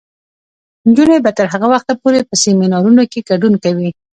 نجونې به تر هغه وخته پورې په سیمینارونو کې ګډون کوي.